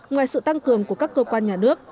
ngoài sự tăng cường của các cơ quan nhà nước